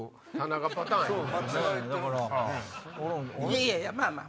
いやいやまぁまぁ。